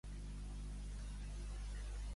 Quines preparacions puc elaborar amb formatge feta?